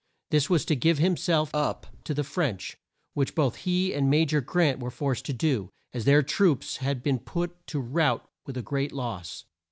This was to give him self up to the French, which both he and Ma jor Grant were forced to do, as their troops had been put to rout with great loss.